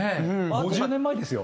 ５０年前ですよ。